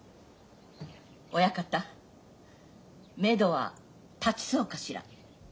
親方めどは立ちそうかしら？